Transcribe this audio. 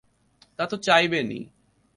তা তো চাইবেনই।